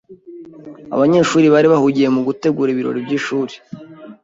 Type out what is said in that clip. Abanyeshuri bari bahugiye mu gutegura ibirori byishuri.